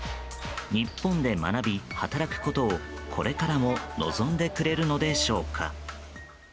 日本で学び、働くことをこれからも望んでくれるのでしょうか？